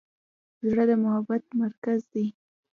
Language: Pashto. زړه د محبت مرکز دی.